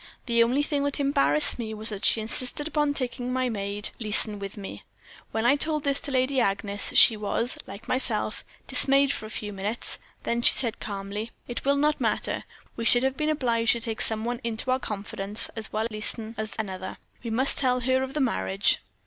The only thing that embarrassed me was that she insisted upon my taking my maid Leeson with me. When I told this to Lady Agnes, she was, like myself, dismayed for a few minutes, then she said, calmly; "'It will not matter; we should have been obliged to take some one into our confidence; as well Leeson as another. We must tell her of the marriage.'